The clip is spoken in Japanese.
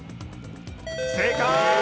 正解！